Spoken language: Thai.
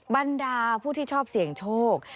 บรรดาผู้ที่ชอบเสี่ยงโชค